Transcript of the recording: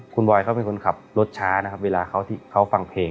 คุณบอยเป็นคนกลับรถช้าเวลาเขาฟังเพลง